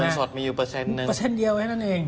เงินสดมีอยู่เปอร์เซ็นต์๑เดียวไว้ให้นั่นเอง